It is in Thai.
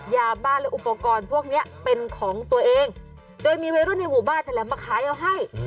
ยาบ้านและอุปกรณ์พวกนี้เป็นของตัวเองโดยมีวัยรุ่นในหมู่บ้านแถลงมาขายเอาให้